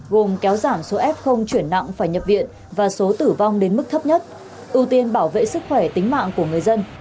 gồm kéo giảm số f chuyển nặng phải nhập viện và số tử vong đến mức thấp nhất ưu tiên bảo vệ sức khỏe tính mạng của người dân